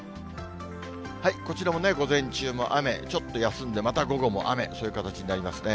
こちらも午前中も雨、ちょっと休んでまた午後も雨という形になりますね。